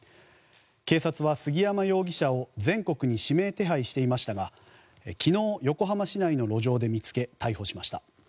警察は杉山容疑者を全国に指名手配していましたが昨日、横浜市内の路上で見つけ逮捕しました。